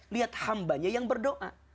lihat hambanya yang berdoa